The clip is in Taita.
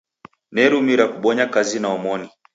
Nerumira kubonya kazi na omoni.